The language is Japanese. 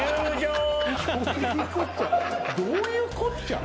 どういうこっちゃ。